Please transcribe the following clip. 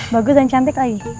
bagus dan cantik lagi